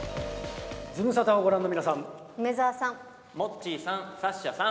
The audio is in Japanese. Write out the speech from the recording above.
ズムサタをご覧の皆さん。